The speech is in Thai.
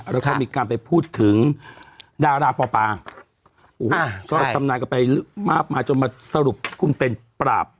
แล้วก็มีการไปพูดถึงดาราปอปาก็ทำนายกันไปมากมายจนมาสรุปคุณเป็นปราบ